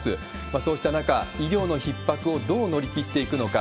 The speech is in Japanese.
そうした中、医療のひっ迫をどう乗り切っていくのか。